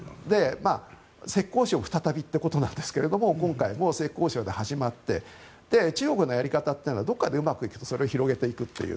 浙江省再びということなんですが今回も浙江省で始まって中国のやり方というのはどこかでうまくいくとそれを広げていくという。